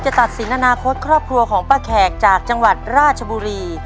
ตัดสินอนาคตครอบครัวของป้าแขกจากจังหวัดราชบุรี